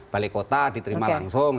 balik kota diterima langsung